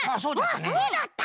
あっそうだった！